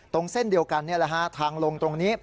ตรงเส้นเดียวกันทางลงตรงนี้